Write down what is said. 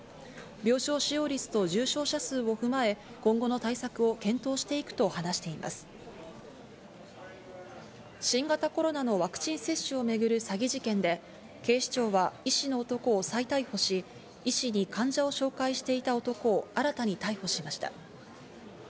病床使用率と重症者数を踏まえ、今後の対策を検討していくと話し新型コロナのワクチン接種をめぐる詐欺事件で、警視庁は医師の男を再逮捕し、医師に患者を紹介していた男を新たに逮捕しました。